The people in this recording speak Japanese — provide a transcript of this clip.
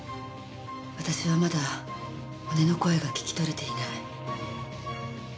私はまだ骨の声が聞き取れていない。